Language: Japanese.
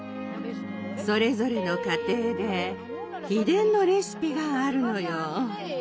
それぞれの家庭で秘伝のレシピがあるのよ。